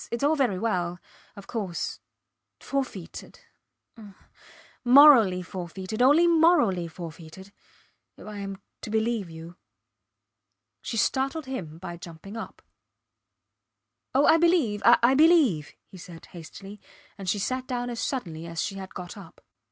Its all very well ... of course. Forfeited ah! Morally forfeited only morally forfeited ... if I am to believe you ... She startled him by jumping up. Oh! I believe, I believe, he said, hastily, and she sat down as suddenly as she had got up.